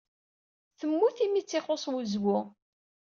Temmut imi ay tt-ixuṣṣ wezwu.